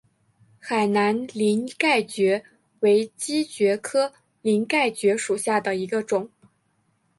海南鳞盖蕨为姬蕨科鳞盖蕨属下的一个种。